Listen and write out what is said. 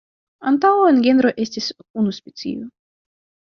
Antaŭe en genro estis unu specio.